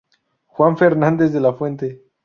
Juan Fernández de la Fuente.